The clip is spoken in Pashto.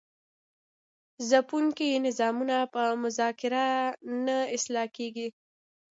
ځپونکي نظامونه په مذاکره نه اصلاح کیږي.